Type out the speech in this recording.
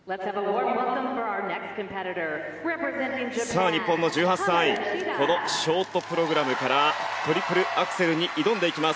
さあ日本の１８歳このショートプログラムからトリプルアクセルに挑んでいきます。